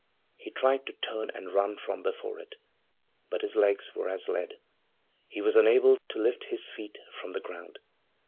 He tried to turn and run from before it, but his legs were as lead; he was unable to lift his feet from the ground.